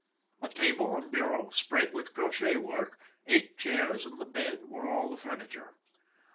A table and bureau, spread with crotchet work, eight chairs and the bed, were all the furniture.